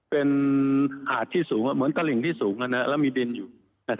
เป็นหาดที่สูงเหมือนตลิ่งที่สูงแล้วมีดินอยู่